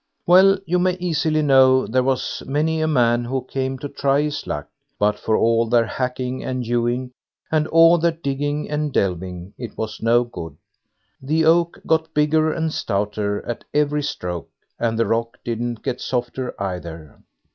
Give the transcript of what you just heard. Well! you may easily know there was many a man who came to try his luck; but for all their hacking and hewing, and all their digging and delving, it was no good. The oak got bigger and stouter at every stroke, and the rock didn't get softer either.